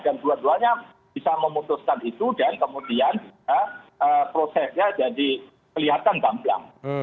dan dua duanya bisa memutuskan itu dan kemudian prosesnya jadi kelihatan gamblang